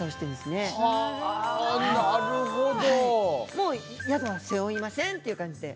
もうヤドは背負いませんっていう感じで。